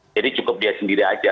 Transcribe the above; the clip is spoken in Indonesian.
jadi cukup dia sendiri aja